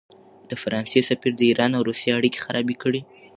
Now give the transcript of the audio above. د فرانسې سفیر د ایران او روسیې اړیکې خرابې کړې.